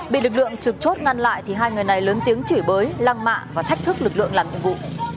bị lực lượng trực chốt ngăn lại thì hai người này lớn tiếng chửi bới lăng mạ và thách thức lực lượng làm nhiệm vụ